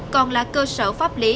còn là cơ sở pháp lý